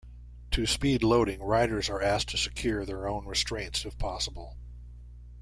To speed loading, riders are asked to secure their own restraints if possible.